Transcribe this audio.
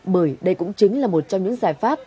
bởi đây cũng chính là một trong những giải pháp